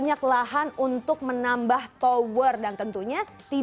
apa yang terjadi